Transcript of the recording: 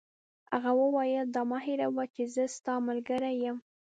هغه وویل: دا مه هیروئ چي زه ستا ملګری یم.